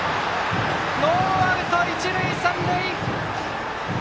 ノーアウト一塁三塁！